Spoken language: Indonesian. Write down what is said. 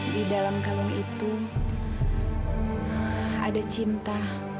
di dalam kalung itu ada cinta